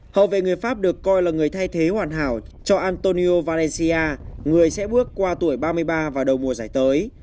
đội tuyển pháp được coi là người thay thế hoàn hảo cho antonio valencia người sẽ bước qua tuổi ba mươi ba vào đầu mùa giải tới